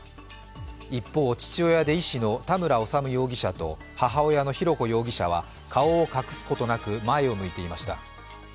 一方、父親で医師の田村修容疑者と母親の浩子容疑者は顔を隠すことなく前を向いていました。